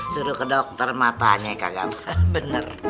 suruh ke dokter matanya kagak benar